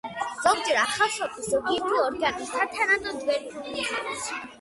ზოგჯერ ახალშობილის ზოგიერთი ორგანო სათანადოდ ვერ ფუნქციონირებს.